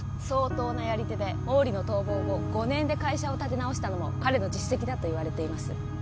相当なやり手で毛利の逃亡後５年で会社を立て直したのも彼の実績だといわれています